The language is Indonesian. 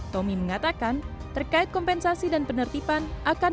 tomi mengatakan terkait kompensasi dan penertiban